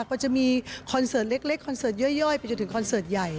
ก็จะมีคอนเสิร์ตเล็กคอนเสิร์ตย่อยไปจนถึงคอนเสิร์ตใหญ่